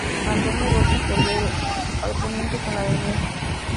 Antonio Rocha Cordero, al poniente con la Av.